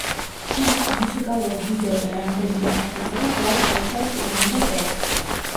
თუმცა, მუსიკალური ვიდეო და რამდენიმე ჩანაწერი კვლავ შეიცავს პირვანდელ ტექსტს.